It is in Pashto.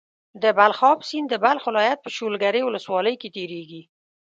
د بلخاب سيند د بلخ ولايت په شولګرې ولسوالۍ کې تيريږي.